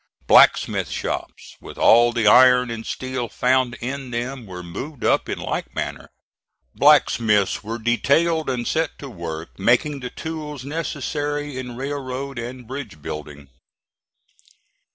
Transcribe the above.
Blacksmith shops, with all the iron and steel found in them, were moved up in like manner. Blacksmiths were detailed and set to work making the tools necessary in railroad and bridge building.